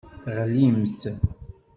Teɣlimt.